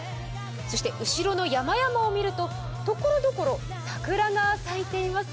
そして後ろの山々を見るとところどころ桜が咲いています。